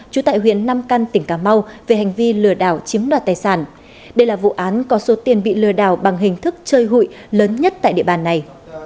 trú tại huyện nam căn tỉnh cà mau về hành vi lừa đảo chiếm đoạt tài sản đây là vụ án có số tiền bị lừa đảo bằng hình thức chơi hụi lớn nhất tại địa bàn này